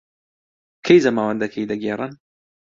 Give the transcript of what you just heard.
کەی زەماوەندەکەی دەگێڕن؟